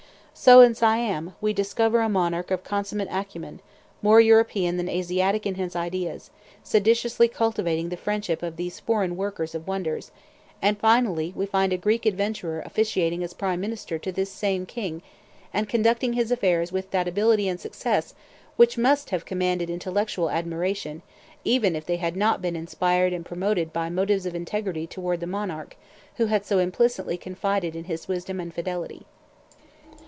So in Siam, we discover a monarch of consummate acumen, more European than Asiatic in his ideas, sedulously cultivating the friendship of these foreign workers of wonders; and finally we find a Greek adventurer officiating as prime minister to this same king, and conducting his affairs with that ability and success which must have commanded intellectual admiration, even if they had not been inspired and promoted by motives of integrity toward the monarch who had so implicitly confided in his wisdom and fidelity.